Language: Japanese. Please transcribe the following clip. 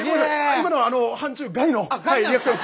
今のは範疇外のリアクション。